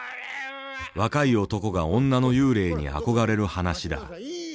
若い男が女の幽霊にあこがれる噺だ。